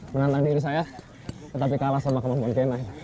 menantang diri saya tetapi kalah sama kemampuan k sembilan